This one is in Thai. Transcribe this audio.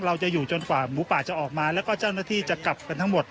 เราจะอยู่จนกว่าหมูป่าจะออกมาแล้วก็เจ้าหน้าที่จะกลับกันทั้งหมด